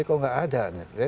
ini kok nggak ada